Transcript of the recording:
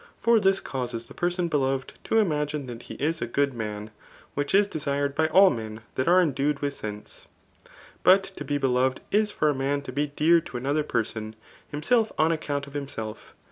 For this causes the pefwA beloved to im^ne that he is a ^ood man, which isl Aei tited by alt men that are endued vAth seibse^ But to j^e beloved is for a man to be dear to another person, him4 setf on account of himself.